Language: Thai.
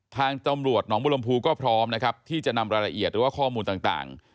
ทางตำรวจน้องบลมพูก็พร้อมที่จะนำรายละเอียดรวบคอมูลต่าง